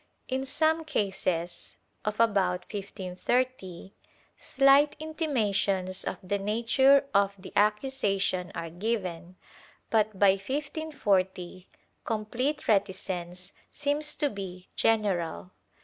In some cases, of about 1530, slight intimations of the nature of the accusation are given, but by 1540 complete reticence seems to be general.